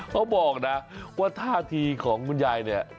เขาบอกนะว่าท่าทีของคุณยายเนี่ย